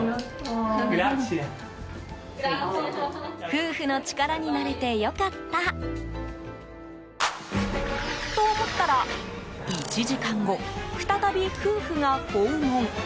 夫婦の力になれて良かった。と思ったら、１時間後再び夫婦が訪問。